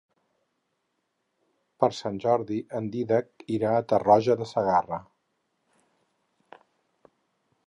Per Sant Jordi en Dídac irà a Tarroja de Segarra.